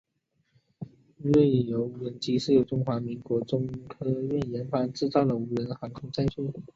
锐鸢无人机是为中华民国中科院研发制造的无人航空载具。